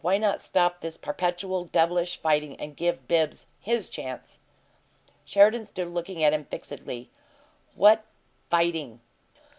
Why not stop this perpetual devilish fighting and give Bibbs his chance?" Sheridan stood looking at him fixedly. "What 'fighting?'"